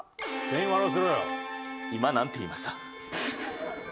今なんて言いました？